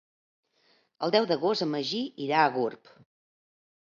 El deu d'agost en Magí irà a Gurb.